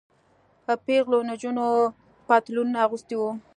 پيغلو نجونو پتلونونه اغوستي وو.